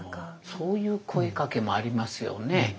そういう声かけもありますよね。